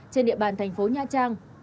trên địa bàn tp nha trang